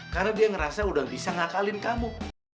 karena dia ngerasa udah bisa ngakalin kamu